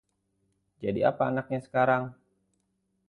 Jadi apa anaknya sekarang?